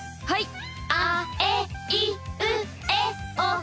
はい。